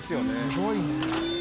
すごいね。